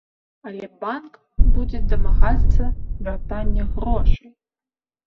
Але банк будзе дамагацца вяртання грошай.